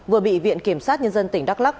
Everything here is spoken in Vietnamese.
vừa bị viện kiểm soát nhân dân tỉnh đắk lắk